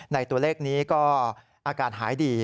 ในตัวเลขนี้ก็อาการหายดี